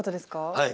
はい。